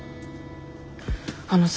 あのさ。